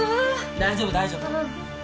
大丈夫大丈夫。